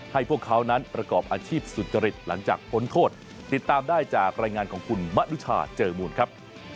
พวกเขานั้นประกอบอาชีพสุจริตหลังจากพ้นโทษติดตามได้จากรายงานของคุณมะนุชาเจอมูลครับ